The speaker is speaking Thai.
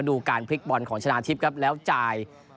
ดูการพลิกบอลของชนะทิพย์ครับแล้วจ่าย